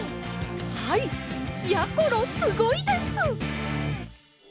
はいやころすごいです！